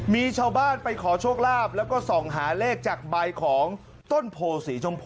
มีชาวบ้านไปขอโชคลาภแล้วก็ส่องหาเลขจากใบของต้นโพสีชมพู